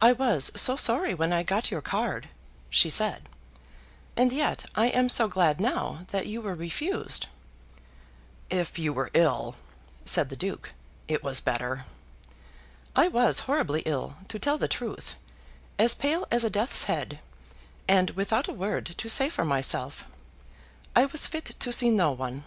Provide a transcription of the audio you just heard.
"I was so sorry when I got your card," she said; "and yet I am so glad now that you were refused." "If you were ill," said the Duke, "it was better." "I was horribly ill, to tell the truth; as pale as a death's head, and without a word to say for myself. I was fit to see no one."